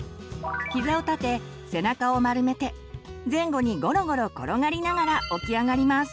ひざを立て背中を丸めて前後にごろごろ転がりながら起き上がります。